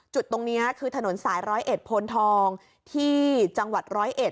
จุดตรงนี้คือถนนสาย๑๐๑โพนทองที่จังหวัด๑๐๑